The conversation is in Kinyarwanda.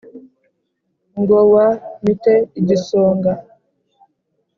Ngo wmite igisonga.